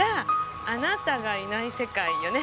『あなたがいない世界』よね。